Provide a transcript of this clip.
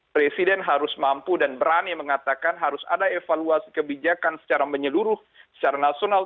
presiden harus mampu dan berani mengatakan harus ada evaluasi kebijakan secara menyeluruh secara nasional